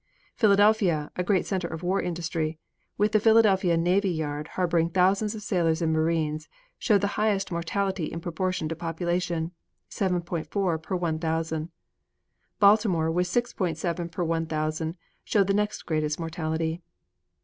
Philadelphia, a great center of war industry, with the Philadelphia Navy Yard harboring thousands of sailors and marines, showed the highest mortality in proportion to population, 7.4 per 1,000; Baltimore with 6.7 per 1,000 showed the next greatest mortality.